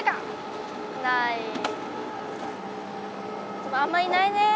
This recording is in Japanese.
でもあんまいないね。